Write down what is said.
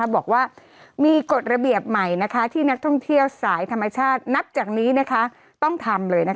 บอกว่ามีกฎระเบียบใหม่ที่นักท่องเที่ยวสายธรรมชาตินับจากนี้ต้องทำเลย